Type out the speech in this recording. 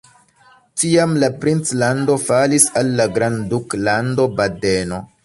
Tiam la princlando falis al la Grandduklando Badeno.